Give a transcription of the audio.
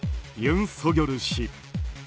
ユン・ソギョル氏。